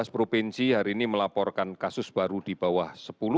tujuh belas provinsi hari ini melaporkan kasus baru di bawah sepuluh